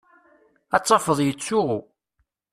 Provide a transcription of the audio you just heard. Ad tafeḍ yettsuɣu.